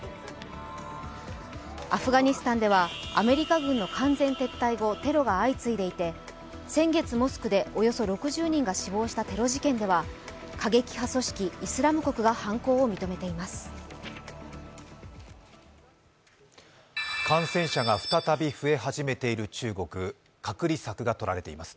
アフガニスタンではアメリカ軍の完全撤退後、テロが相次いでいて、先月モスクでおよそ６０人が死亡したテロ事件では過激派組織イスラム国が犯行を認めています。